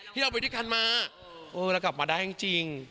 ที่เราไปด้วยกันมาเออเรากลับมาได้จริง